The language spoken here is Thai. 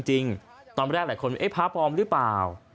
จริงตอนแรกหลายคนไอ้พระปอมหรือเปล่า